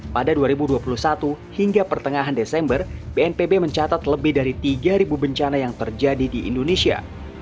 pada dua ribu dua puluh satu hingga pertengahan desember bnpb mencatat lebih dari tiga bencana yang terjadi di indonesia